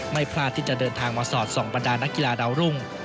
พลาดที่จะเดินทางมาสอดส่องบรรดานักกีฬาดาวรุ่ง